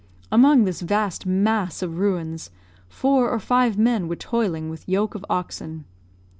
Among this vast mass of ruins, four or five men were toiling with yoke of oxen.